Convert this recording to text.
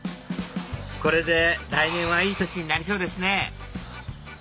これで来年はいい年になりそうですね